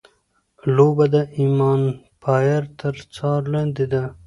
لوبه د ایمپایر تر څار لاندي ده.